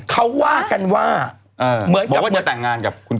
เขาว่ากันว่าเบากว่าจะแต่งงานกับคุณกึ้ง